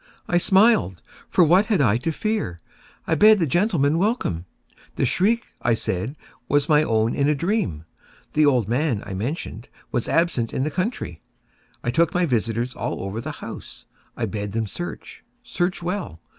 I smiled,—for what had I to fear? I bade the gentlemen welcome. The shriek, I said, was my own in a dream. The old man, I mentioned, was absent in the country. I took my visitors all over the house. I bade them search—search well.